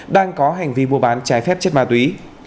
đang có hành vi mua bán trái phép chất ma túy